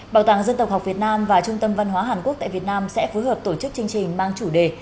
bảo tàng dân tộc học việt nam và trung tâm văn hóa hàn quốc tại việt nam sẽ phối hợp tổ chức chương trình mang chủ đề